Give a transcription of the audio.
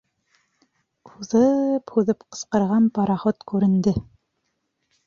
Һуҙып-һуҙып ҡысҡырған пароход күренде.